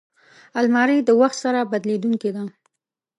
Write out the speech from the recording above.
الماري د وخت سره بدلېدونکې ده